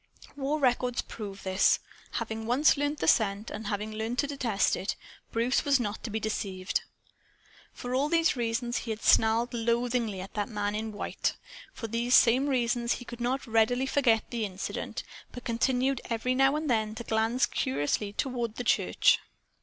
War records prove this. Once having learned the scent, and having learned to detest it, Bruce was not to be deceived. For all these reasons he had snarled loathingly at the man in white. For these same reasons he could not readily forget the incident, but continued every now and then to glance curiously across toward the church.